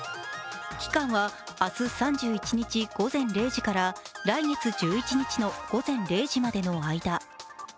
期間は明日３１日午前１０時から来月１１日の午前０時までの間。